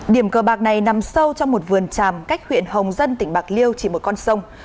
điểm cờ bạc này nằm sâu trong một vườn tràm cách huyện hồng dân tỉnh bạc liêu chỉ một con sông